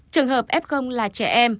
trường hợp f là trẻ em